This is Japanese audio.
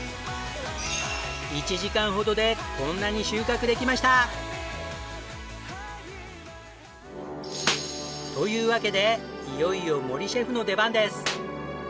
１時間ほどでこんなに収穫できました！というわけでいよいよ森シェフの出番です。